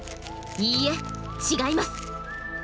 いいえ違います！